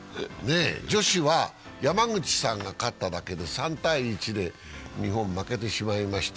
女子は山口さんが勝っただけで３−１で日本は負けてしまいました。